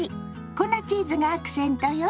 粉チーズがアクセントよ。